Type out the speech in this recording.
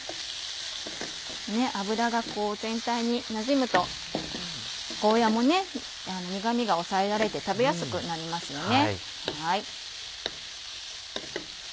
油が全体になじむとゴーヤも苦味が抑えられて食べやすくなりますよね。